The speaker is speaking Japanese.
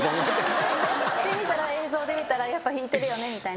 映像で見たらやっぱひいてるよねみたいな。